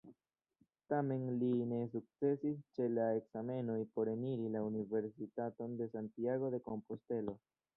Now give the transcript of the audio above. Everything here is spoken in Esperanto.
Tamen, li ne sukcesis ĉe la ekzamenoj por eniri la Universitaton de Santiago-de-Kompostelo.